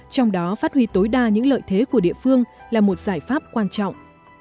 trong đó phát huy tối đa những lợi thế của địa phương là một giải pháp quan trọng